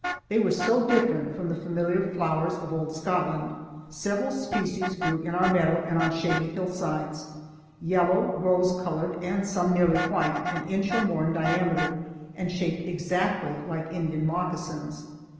They were so different from the familiar flowers of old Scotland. Several species grew in our meadow and on shady hillsides,—yellow, rose colored, and some nearly white, an inch or more in diameter, and shaped exactly like Indian moccasins.